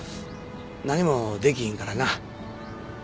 何もできひんからな。